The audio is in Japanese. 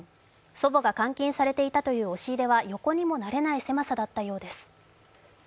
祖母が監禁されていたという押し入れは横にもなれない狭さだったようです。